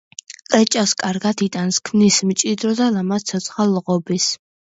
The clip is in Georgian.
კრეჭას კარგად იტანს, ქმნის მჭიდრო და ლამაზ ცოცხალ ღობეს.